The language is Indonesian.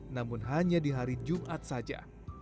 namun hanya di hari jumat saja